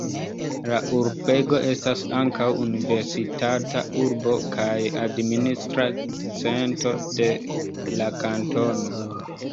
La urbego estas ankaŭ universitata urbo kaj administra cento de la kantono.